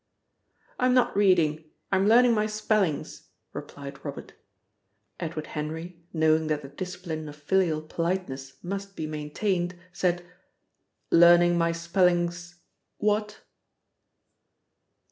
"I'm not reading, I'm learning my spellings," replied Robert. Edward Henry, knowing that the discipline of filial politeness must be maintained, said: "'Learning my spellings' what?"